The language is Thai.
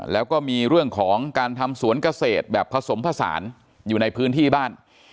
แล้วก็มีเรื่องของการทำสวนเกษตรแบบผสมผสานอยู่ในพื้นที่บ้าน